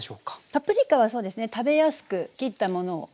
パプリカはそうですね食べやすく切ったものを。